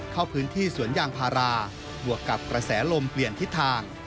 เข้าพื้นที่สวนยางพาราบวกกับกระแสลมเปลี่ยนทิศทาง